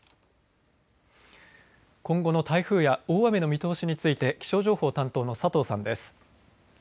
今後の台風や大雨の見通しについて気象情報担当の佐藤さんです。